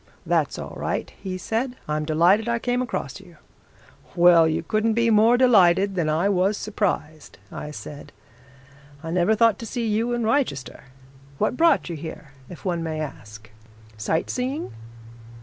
'That's all right,' he said. 'I'm delighted I came across you.' 'Well, you couldn't be more delighted than I was surprised,' I said. 'I never thought to see you in Wrychester. What brought you here, if one may ask sight seeing?'